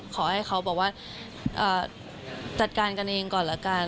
เขาบอกว่าจัดการกันเองก่อนละกัน